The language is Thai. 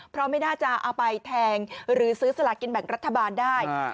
เพราะไม่น่าจะเอาไปแทงหรือซื้อสลากินแบ่งรัฐบาลได้